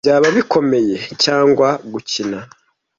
byaba bikomeye cyangwa gukina